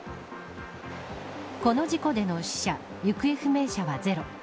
この事故での死者行方不明者はゼロ。